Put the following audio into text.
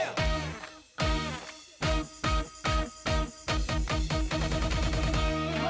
รอบ